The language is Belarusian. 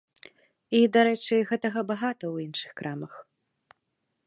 І, дарэчы, гэтага багата ў іншых крамах.